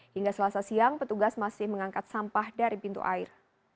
hingga selasa siang petugas masih mengangkat sampah dari pintu air